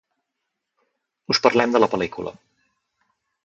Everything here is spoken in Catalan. us parlem de la pel·lícula